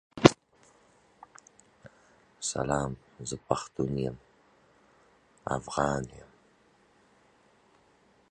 بازار به بدل شي.